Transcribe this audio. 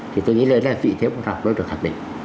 thì tôi nghĩ đây là vị thế quân học nó được thực hiện